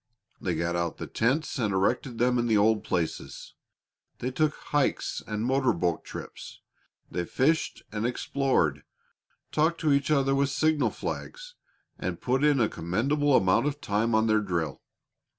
They got out the tents and erected them in the old places. They took hikes and motor boat trips; they fished and explored, talked to each other with signal flags, and put in a commendable amount of time on their drill.